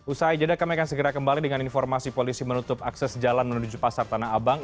usai jeda kami akan segera kembali dengan informasi polisi menutup akses jalan menuju pasar tanah abang